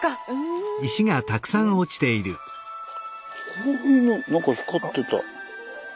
こういうのなんか光ってた。